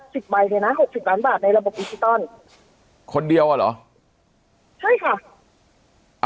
สิบใบเลยนะหกสิบล้านบาทในระบบดิจิตอลคนเดียวอ่ะเหรอใช่ค่ะอ่า